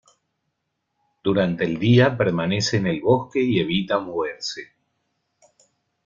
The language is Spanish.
Durante el día permanece en el bosque y evita moverse.